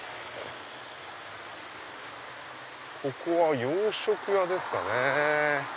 ここは洋食屋ですかね。